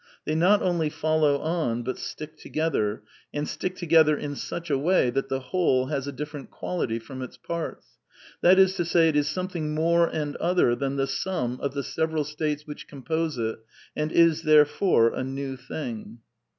They not only follow on, but ' stick together, and stick together in such a way that the whgl g^has a different quality from its^p ails; that is to/ say/it is something more ana otner tlian the sum of th<' several states which compose it, and is therefore a ne^ thing.